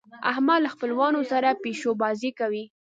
احمد له خپلوانو سره پيشو بازۍ کوي.